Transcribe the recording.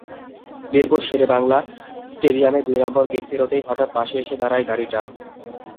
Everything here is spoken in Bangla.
মিরপুর শেরেবাংলা স্টেডিয়ামের দুই নম্বর গেট পেরোতেই হঠাৎ পাশে এসে দাঁড়ায় গাড়িটা।